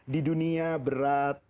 di dunia berat